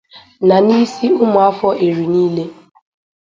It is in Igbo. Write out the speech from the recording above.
na n'isi ụmụafọ Eri niile.